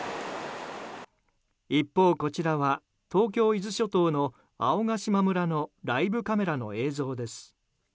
一方こちらは東京・伊豆諸島の青ヶ島村のライブカメラの映像です。